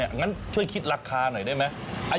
งั้นช่วยคิดราคาหน่อยได้ไหม